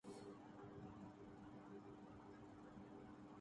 گزر اوقات کیلئے وہاں بھی پھیر ی کاکام کیا۔